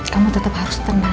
kamu tetep harus tenang